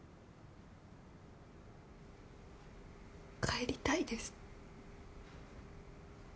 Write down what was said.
帰りたいです。